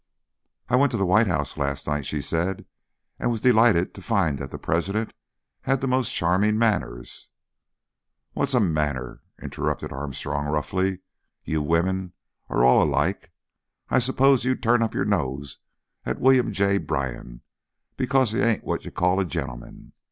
"I went to the White House last night," she said, "and was delighted to find that the President had the most charming manners " "What's a manner?" interrupted Armstrong, roughly. "You women are all alike. I suppose you'd turn up your nose at William J. Bryan because he ain't what you call a gentleman.